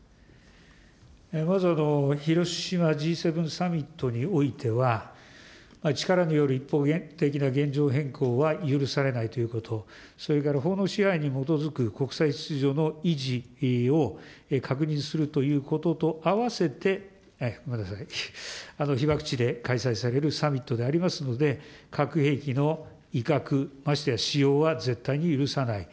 まず広島Ｇ７サミットにおいては、力による一方的な現状変更は許されないということ、それから法の支配に基づく国際秩序の維持を確認するということとあわせて、ごめんなさい、被爆地で開催されるサミットでありますので、核兵器の威嚇、ましてや使用は絶対に許さない。